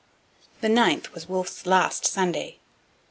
The 9th was Wolfe's last Sunday.